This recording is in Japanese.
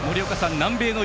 南米の雄